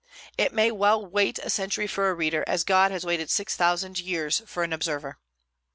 It may well wait a century for a reader, as God has waited six thousand years for an observer."